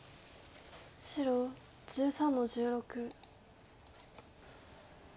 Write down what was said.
白１３の十六。